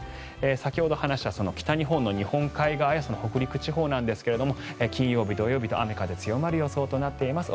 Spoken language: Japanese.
先ほど話した北日本の日本海側や北陸地方なんですが金曜日、土曜日と雨、風強まる予想となっています